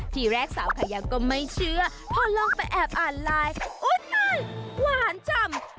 ทีแรกสาวขยะก็ไม่เชื่อพอลองไปแอบอ่านไลน์โอ๊ยตายหวานจำ